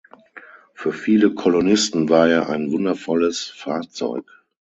Für viele Kolonisten war er ein wundervolles Fahrzeug.